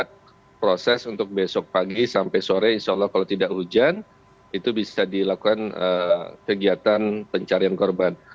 kita proses untuk besok pagi sampai sore insya allah kalau tidak hujan itu bisa dilakukan kegiatan pencarian korban